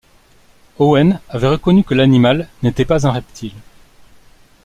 Owen avait reconnu que l'animal n'était pas un reptile.